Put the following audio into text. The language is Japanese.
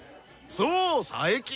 そう佐伯！